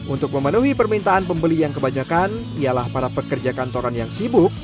untuk memenuhi permintaan pembeli yang kebanyakan ialah para pekerja kantoran yang sibuk